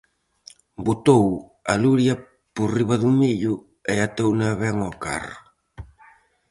Botou a luria por riba do millo e atouna ben ao carro.